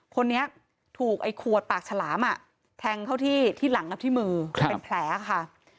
คนนี้ถูกไอ้ขวดปากฉลามแทงเข้าที่ที่หลังกับที่มือเป็นแผลค่ะ